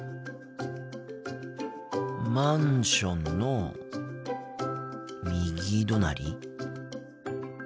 マンションの右隣？